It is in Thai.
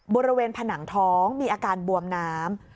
บริเวณผนังท้องมีอาการบวมน้ำ